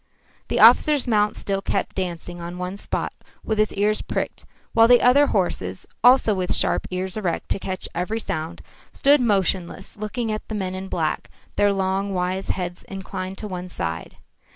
The officer's mount still kept dancing on one spot with his ears pricked, while the other horses, also with sharp ears erect to catch every sound, stood motionless looking at the men in black, their long wise heads inclined to one side.